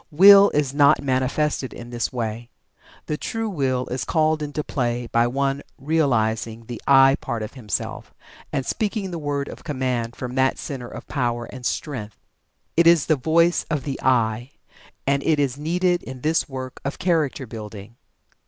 Will is not manifested in this way. The true Will is called into play by one realizing the "I" part of himself and speaking the word of command from that center of power and strength. It is the voice of the "I." And it is needed in this work of character building.